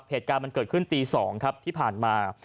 เหตุการณ์มันเกิดขึ้นตี๒ครับที่ผ่านมา